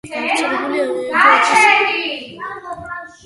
გავრცელებულია ევროპის კონტინენტის უმეტეს ნაწილსა, ანატოლიასა და ირანში.